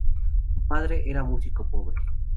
Su padre era un músico pobre.